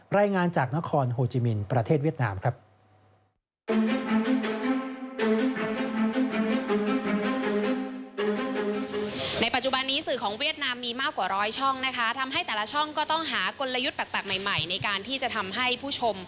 รายงานจากนครโฮจิมินประเทศเวียดนามครับ